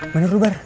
bener lu bar